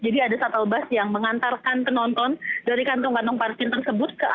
jadi ada shuttle bus yang mengantarkan penonton dari kantong kantong parkir tersebut ke asia afrika